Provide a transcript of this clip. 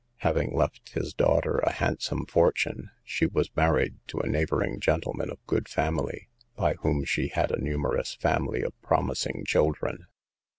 Having left his daughter a handsome fortune, she was married to a neighbouring gentleman of good family, by whom she had a numerous family of promising children.